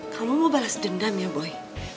kamu mau balas dendam ya boy